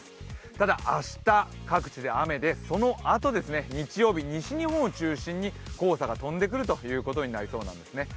ただ明日、各地で雨で、そのあとですね日曜日、西日本を中心に黄砂が飛んでくることになりそうなんですね。